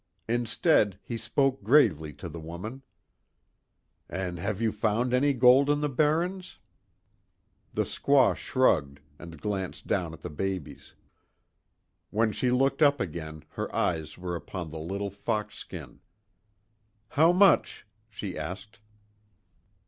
Instead, he spoke gravely to the woman: "An' have you found any gold in the barrens?" The squaw shrugged, and glanced down at the babies. When she looked up again her eyes were upon the little fox skin. "How much?" she asked.